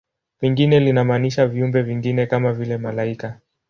Pengine linamaanisha viumbe vingine, kama vile malaika.